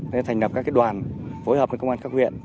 thế thành lập các cái đoàn phối hợp với công an các huyện